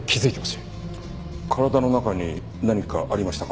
体の中に何かありましたか？